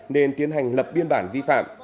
nên tiến hành lập biên bản vi phạm